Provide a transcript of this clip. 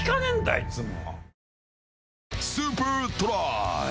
いつも。